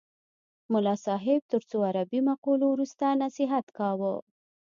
ملا صاحب تر څو عربي مقولو وروسته نصیحت کاوه.